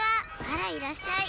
「あらいらっしゃい」。